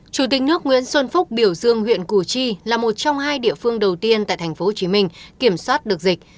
chủ tịch nước nguyễn xuân phúc biểu dương huyện củ chi là một trong hai địa phương đầu tiên tại tp hcm kiểm soát được dịch